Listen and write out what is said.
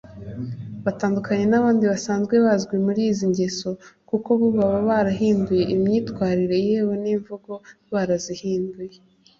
batandukanye n’abandi basanzwe bazwi muri izi ngeso kuko bo baba barahinduye imyitwarire yewe n’imvugo barazihinduye